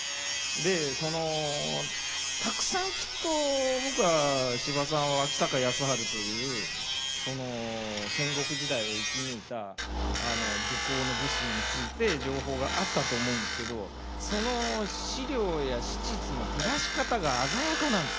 でたくさんきっと僕は司馬さんは脇坂安治というその戦国時代を生き抜いた武功の武士について情報があったと思うんですけどその史料や史実の照らし方が鮮やかなんです。